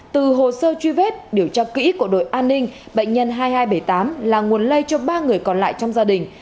từ hồ sơ truy vết điều tra kỹ của đội an ninh bệnh nhân hai nghìn hai trăm bảy mươi tám là nguồn lây cho ba người còn lại trong gia đình